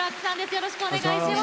よろしくお願いします。